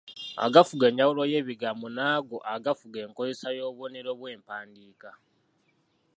Agafuga enjawula y’ebigambo n’ago agafuga enkozesa y’obubonero bw’empandiika.